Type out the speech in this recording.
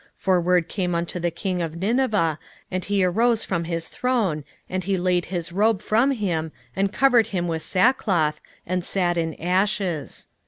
3:6 For word came unto the king of Nineveh, and he arose from his throne, and he laid his robe from him, and covered him with sackcloth, and sat in ashes.